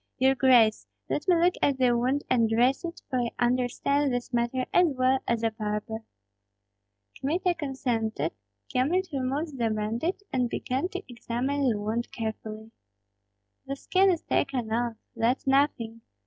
Your grace, let me look at the wound and dress it, for I understand this matter as well as a barber." Kmita consented. Kyemlich removed the bandage, and began to examine the wound carefully. "The skin is taken off, that's nothing!